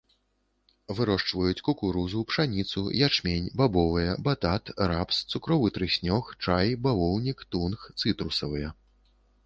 Вырошчваюць кукурузу, пшаніцу, ячмень, бабовыя, батат, рапс, цукровы трыснёг, чай, бавоўнік, тунг, цытрусавыя.